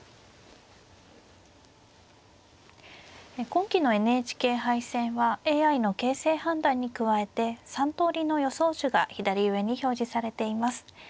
今期のＮＨＫ杯戦はＡＩの形勢判断に加えて３通りの予想手が左上に表示されています。